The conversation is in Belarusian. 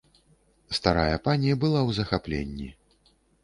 Старая пані была ў захапленні.